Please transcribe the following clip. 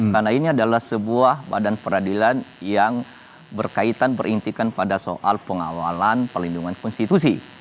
karena ini adalah sebuah badan peradilan yang berkaitan berintikan pada soal pengawalan pelindungan konstitusi